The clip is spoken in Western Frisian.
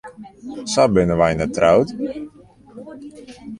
Sa binne wy net troud.